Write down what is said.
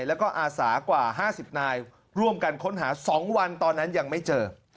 แล้วก็อาสากว่า๕๐นายร่วมกันค้นหา๒วันตอนนั้นยังไม่เจอ